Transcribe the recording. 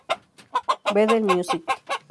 Bethel Music